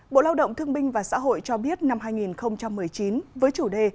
bộ lao động thương minh và xã hội cho biết năm hai nghìn một mươi chín với chủ đề